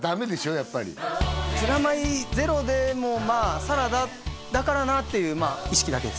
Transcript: やっぱりプラマイゼロでもまあサラダだからなっていうまあ意識だけです